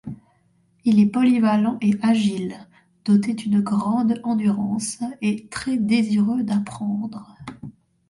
Il est polyvalent et agile, doté d'une grande endurance et très désireux d'apprendre.